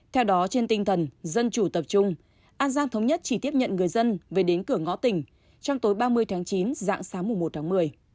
theo đó trên tinh thần dân chủ tập trung an giang thống nhất chỉ tiếp nhận người dân về đến cửa ngõ tỉnh trong tối ba mươi tháng chín dạng sáng một tháng một mươi